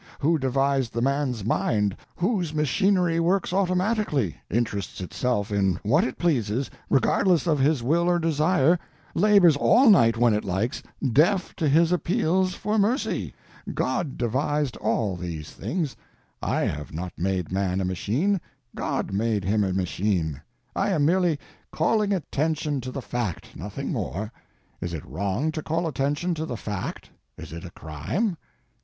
Who devised the man's mind, whose machinery works automatically, interests itself in what it pleases, regardless of its will or desire, labors all night when it likes, deaf to his appeals for mercy? God devised all these things. I have not made man a machine, God made him a machine. I am merely calling attention to the fact, nothing more. Is it wrong to call attention to the fact? Is it a crime?